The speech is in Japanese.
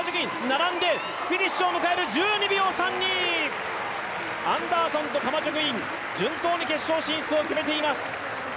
並んでフィニッシュを迎える、１２秒３２アンダーソンとカマチョ・クイン、順当に決勝進出を決めています。